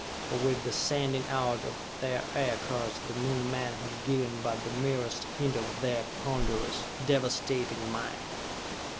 For with the sending out of their Aircars the Moon men had given but the merest hint of their ponderous, devastating might!